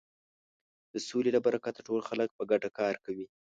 د سولې له برکته ټول خلک په ګډه کار کوي.